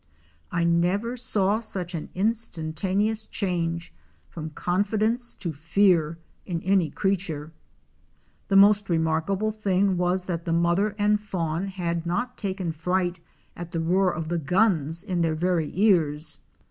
I never saw such an instantaneous change from confidence to fear in any creature. The most remarkable thing was that the mother and fawn had not taken fright at the roar of the guns in their very ears.